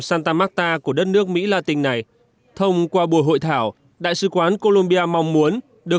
santa marta của đất nước mỹ latin này thông qua buổi hội thảo đại sứ quán colombia mong muốn được